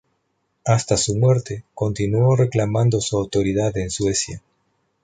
Hasta su muerte, continuó reclamando su autoridad en Suecia.